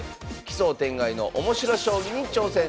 奇想天外のオモシロ将棋に挑戦！